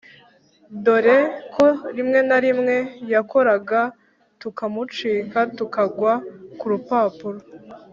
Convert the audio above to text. dore ko rimwe na rimwe yakoraraga tukamucika tukagwa kurupapuro,